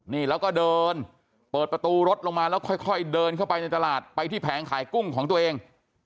นี่แล้วก็เดินเปิดประตูรถลงมาแล้วค่อยเดินเข้าไปในตลาดไปที่แผงขายกุ้งของตัวเอง